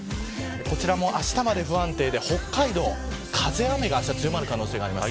こちらもあしたまで不安定で北海道風、雨が強まる可能性があります。